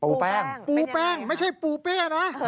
แป้งปูแป้งไม่ใช่ปูเปี้ยนะ